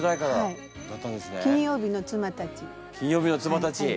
「金曜日の妻たちへ」。